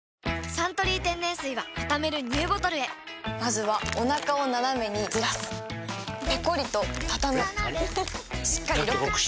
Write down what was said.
「サントリー天然水」はたためるＮＥＷボトルへまずはおなかをナナメにずらすペコリ！とたたむしっかりロック！